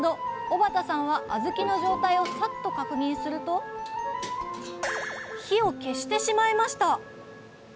小幡さんは小豆の状態をさっと確認すると火を消してしまいました！